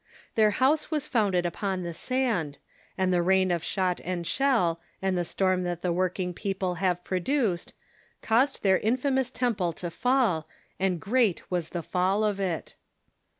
Their house was founded upon the sand, and the rain of shot and shell, and the storm that the loorking people have produced, caused their infamous temple to fall, and yreai was the fall of it.